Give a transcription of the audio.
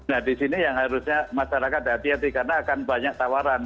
nah di sini yang harusnya masyarakat hati hati karena akan banyak tawaran